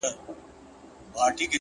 هره هڅه د شخصیت جوړونې برخه ده!.